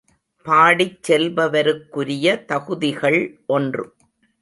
பாடிச் செல்பவருக்குரிய தகுதிகள் ஒன்று.